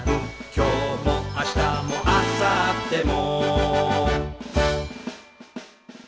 「今日も明日もあさっても」